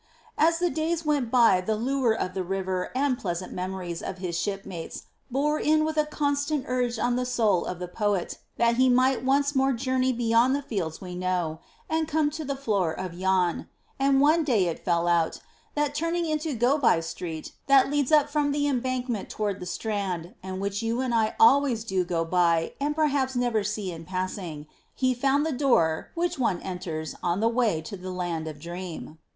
As the days went by the lure of the river and pleasant memories of his shipmates bore in with a constant urge on the soul of the poet that he might once more journey Beyond the Fields We Know and come to the floor of Yann; and one day it fell out that turning into Go by Street that leads up from the Embankment toward the Strand and which you and I always do go by and perhaps never see in passing, he found the door which one enters on the way to the Land of Dream.